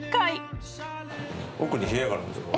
奥に部屋があるんですよ。